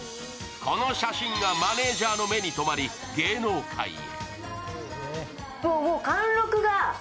この写真がマネージャーの目にとまり芸能界へ。